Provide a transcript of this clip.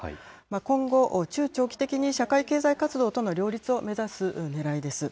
今後、中長期的に社会経済活動との両立を目指すねらいです。